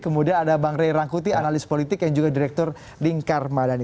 kemudian ada bang ray rangkuti analis politik yang juga direktur lingkar madani